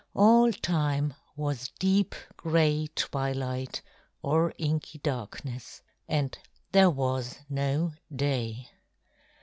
All time was deep gray twilight or inky darkness, and there was no day.